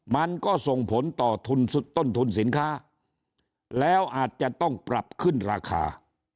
มันก็ส่งผลต่อต้นทุนสินค้าแล้วอาจจะต้องปรับขึ้นราคา